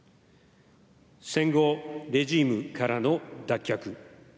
戦後レジームからの脱却。